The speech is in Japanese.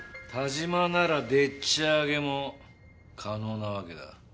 但馬ならでっち上げも可能なわけだ。